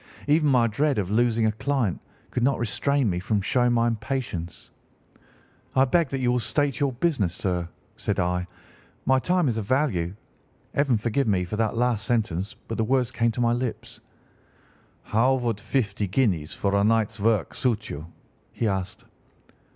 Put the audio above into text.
Even my dread of losing a client could not restrain me from showing my impatience. "'I beg that you will state your business, sir,' said I; 'my time is of value.' Heaven forgive me for that last sentence, but the words came to my lips. "'How would fifty guineas for a night's work suit you?' he asked.